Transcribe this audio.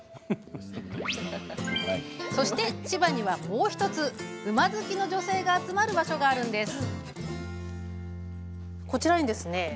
そして、千葉にはもう１つ馬好きの女性が集まる場所があるんです。